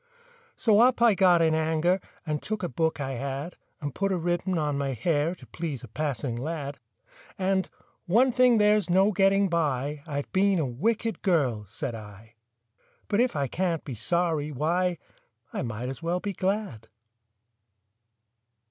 So up I got in anger, And took a book I had, And put a ribbon on my hair To please a passing lad. And, "One thing there's no getting by— I've been a wicked girl," said I; "But if I can't be sorry, why, I might as well be glad!"